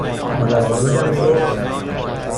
مادر بزرگم می گفت